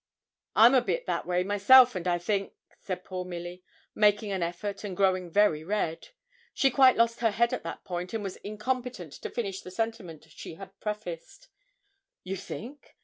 'I'm a bit that way, myself; and I think,' said poor Milly, making an effort, and growing very red; she quite lost her head at that point, and was incompetent to finish the sentiment she had prefaced. 'You think?